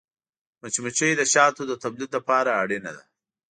مچمچۍ د شاتو د تولید لپاره اړینه ده